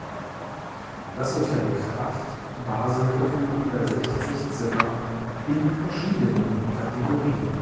Das Hotel Krafft Basel verfügt über sechzig Zimmer in verschiedenen Kategorien.